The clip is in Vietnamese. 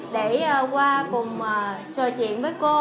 để qua cùng trò chuyện với cô